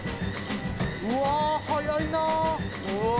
うわ早いなぁ。